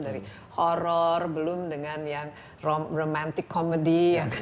dari horror belum dengan yang romantic commedy